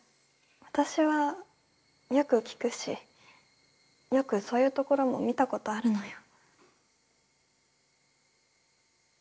私はよく聞くしよくそういうところも見たことあるのよ。